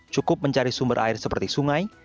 cukup mencari sumber air seperti sungai